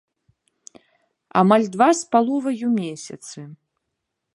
Амаль два з паловаю месяцы.